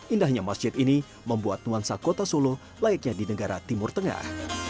indahnya masjid ini membuat nuansa kota solo layaknya di negara timur tengah